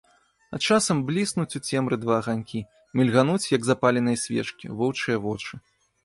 А часам бліснуць у цемры два аганькі, мільгануць, як запаленыя свечкі, воўчыя вочы.